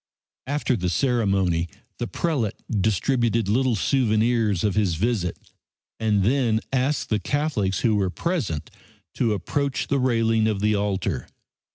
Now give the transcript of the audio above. After the ceremony the prelate distributed little souvenirs of his visit and then asked the Catholics who were present to approach the railing of the altar.